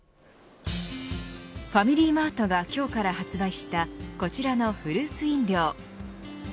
ファミリーマートが今日から発売したこちらのフルーツ飲料。